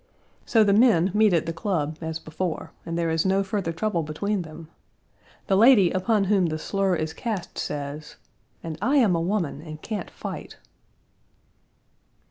So the men meet at the club as before, and there is no further trouble between them. The lady upon whom the slur is cast says, "and I am a woman and can't fight!"